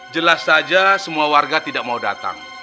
jelas saja semua warga tidak mau datang